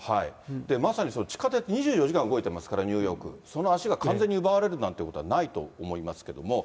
まさに地下鉄、２４時間動いてますから、ニューヨーク、その足が完全に奪われるということはないと思いますけども。